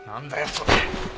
それ！